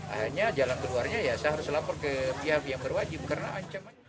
akhirnya jalan keluarnya ya saya harus lapor ke pihak yang berwajib karena ancaman